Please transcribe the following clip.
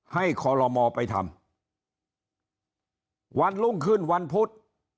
ให้คลมอไปทำวันรุ่งคืนวันพุธ